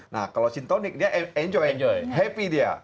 nah kalau sintonik dia enjoy enjoy happy dia